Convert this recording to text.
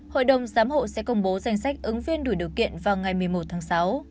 hội đồng giám hộ sẽ công bố danh sách ứng viên đủ điều kiện vào ngày một mươi một tháng sáu